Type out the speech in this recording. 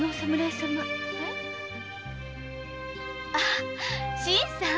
あ新さん。